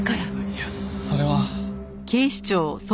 いやそれは。